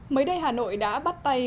mới đây hà nội đã bắt tay